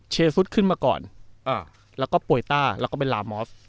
สุดขึ้นมาก่อนแล้วก็โปรยต้าแล้วก็เป็นลามอฟ